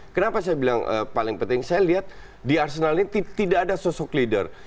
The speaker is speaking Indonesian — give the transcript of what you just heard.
kenapa saya bilang paling penting saya lihat di arsenal ini tidak ada sosok leader